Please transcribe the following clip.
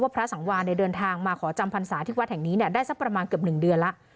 พระสังวานเดินทางมาขอจำพรรษาที่วัดแห่งนี้ได้สักประมาณเกือบ๑เดือนแล้ว